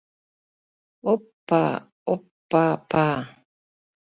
Оп-па, оп-па-па...